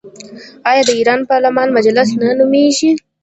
آیا د ایران پارلمان مجلس نه نومیږي؟